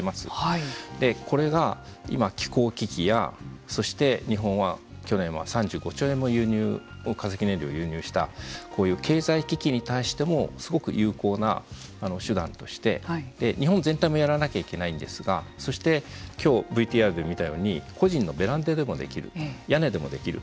でこれが今気候危機やそして日本は去年は３５兆円も化石燃料を輸入したこういう経済危機に対してもすごく有効な手段としてで日本全体もやらなきゃいけないんですがそして今日ＶＴＲで見たように個人のベランダでもできる屋根でもできる。